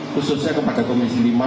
khususnya kepada komisi lima